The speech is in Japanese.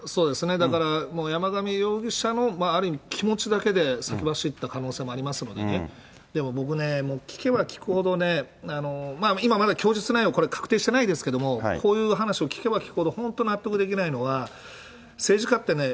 だからもう、山上容疑者のある意味、気持ちだけで先走った可能性もありますからね、でも僕ね、もう聞けば聞くほどね、今まで供述内容、これ、確定してないですけども、こういう話を聞けば聞くほど本当納得できないのは、政治家ってね、